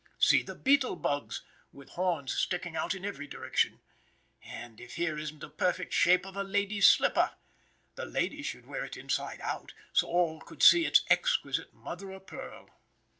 See the beetle bugs, with horns sticking out in every direction. And if here isn't a perfect shape of a lady's slipper! The lady should wear it inside out, so all could see its exquisite mother o' pearl.